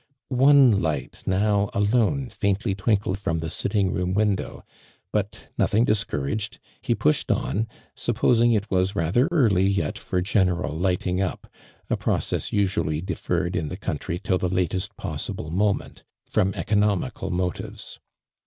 One light now alone faintly twinkled from the sitting room window, but, nothing dis couraged, he pushed on, supposing it was rather early yet for general "lighting up," a process usually deferred in me countiy till the latest possible moment, from econo mical motives.